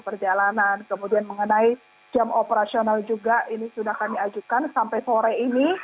perjalanan kemudian mengenai jam operasional juga ini sudah kami ajukan sampai sore ini